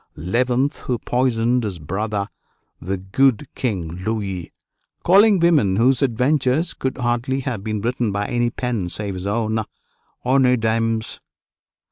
who poisoned his brother, the good King Louis, calling women whose adventures could hardly have been written by any pen save his own, honnêtes dames."